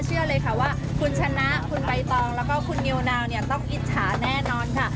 เชื่อเลยค่ะว่าคุณชนะคุณใบตองแล้วก็คุณนิวนาวเนี่ยต้องอิจฉาแน่นอนค่ะ